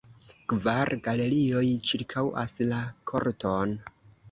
Kvar galerioj ĉirkaŭas la korton.